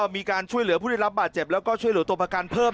มีการช่วยเหลือผู้ได้รับบาดเจ็บแล้วก็ช่วยเหลือตัวประกันเพิ่ม